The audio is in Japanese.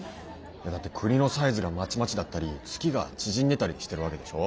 だって国のサイズがまちまちだったり月が縮んでたりしてるわけでしょ？